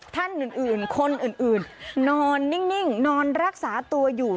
ท่านอื่นคนอื่นนอนนิ่งนอนรักษาตัวอยู่